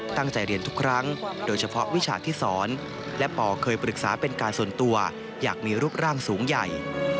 ตั้งใจเรียนทุกครั้งโดยเฉพาะวิชาที่สอนและปอเคยปรึกษาเป็นการส่วนตัวอยากมีรูปร่างสูงใหญ่